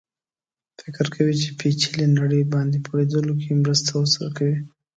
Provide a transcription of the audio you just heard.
فکر کوي چې پېچلې نړۍ باندې پوهېدلو کې مرسته ورسره کوي.